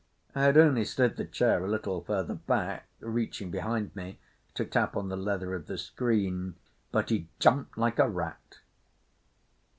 I had only slid the chair a little further back, reaching behind me to tap on the leather of the screen, but he jumped like a rat.